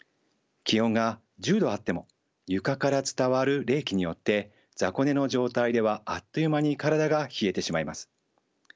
気温が１０度あっても床から伝わる冷気によって雑魚寝の状態ではあっという間に体が冷えてしまいます。